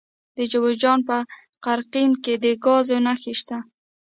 د جوزجان په قرقین کې د ګازو نښې شته.